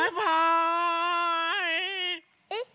えっ？